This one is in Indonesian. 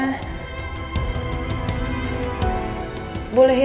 bu boleh ya